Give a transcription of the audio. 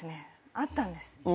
あったんです。